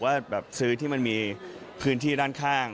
ว่าแบบซื้อที่มันมีพื้นที่ด้านข้าง